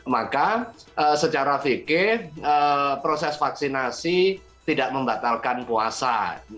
maka secara fikih proses vaksinasi tidak membatalkan puasa